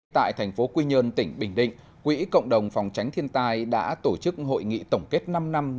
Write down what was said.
tại thành phố quy nhơn tỉnh bình định quỹ cộng đồng phòng tránh thiên tai đã tổ chức hội nghị tổng kết năm năm